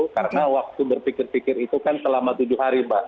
karena waktu berpikir pikir itu kan selama tujuh hari mbak